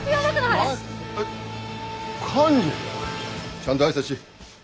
ちゃんと挨拶し。